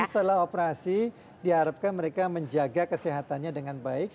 jadi setelah operasi diharapkan mereka menjaga kesehatannya dengan baik